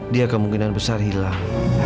dia kemungkinan besar hilang